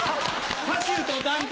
パシュート団体。